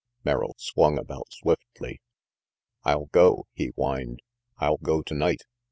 Merrill swung about swiftly. "I'll go," he whined. "I'll go tonight.